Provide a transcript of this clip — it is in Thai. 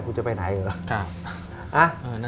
คุณจะไปไหนเหรอ